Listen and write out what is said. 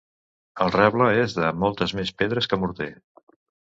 El reble és de moltes més pedres que morter.